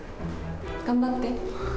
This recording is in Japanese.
頑張って。